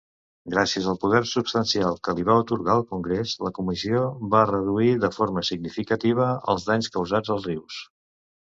Gràcies al poder substancial que li va atorgar el Congrés, la comissió va reduir de forma significativa els danys causats als rius.